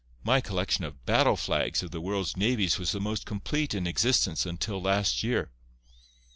My collection of battle flags of the world's navies was the most complete in existence until last year.